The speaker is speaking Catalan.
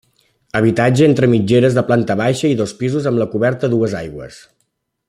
Habitatge entre mitgeres de planta baixa i dos pisos amb la coberta a dues aigües.